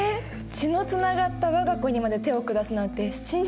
血のつながった我が子にまで手を下すなんて信じられないよね。